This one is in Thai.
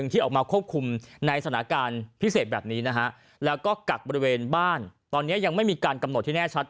ตอนนี้ยังไม่มีการกำหนดที่แน่ชัด